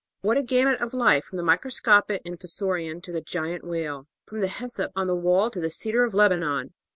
What a gamut of life from the microscopic Infusorian to the giant whale, from the hyssop on the wall to the cedar of Lebanon!